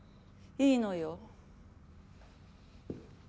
いいのよ。